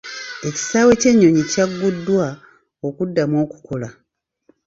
Ekisaawe ky'ennyonyi kyagguddwa okuddamu okukola.